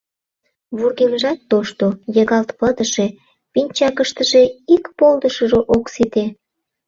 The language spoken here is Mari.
Вургемжат тошто, йыгалт пытыше, пинчакыштыже ик полдышыжо ок сите.